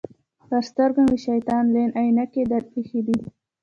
پر سترګو مو شیطان لعین عینکې در اېښي دي.